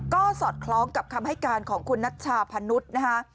ก็สอดคล้องกับคำให้การของคุณนัชชาพนุษย์นะคะ